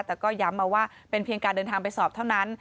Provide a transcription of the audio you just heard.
แต่ก็ย้ำมาว่าเป็นเพียงการเดินทางไปสอบเท่านั้น